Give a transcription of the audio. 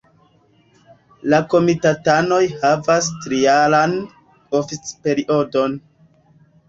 La komitatanoj havas trijaran oficperiodon.